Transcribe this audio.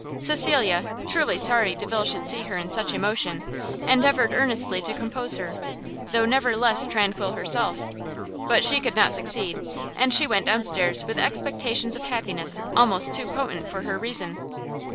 Cecilia, truly sorry Delvile should see her in such emotion, endeavoured earnestly to compose her, though never less tranquil herself. But she could not succeed, and she went down stairs with expectations of happiness almost too potent for her reason.